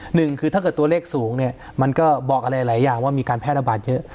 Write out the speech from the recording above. หนึ่งคือถ้าเกิดตัวเลขสูงเนี่ยมันก็บอกอะไรหลายอย่างว่ามีการแพร่ระบาดเยอะ